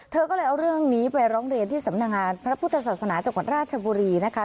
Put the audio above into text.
เธอก็เลยเอาเรื่องนี้ไปร้องเรียนที่สำนักงานพระพุทธศาสนาจังหวัดราชบุรีนะคะ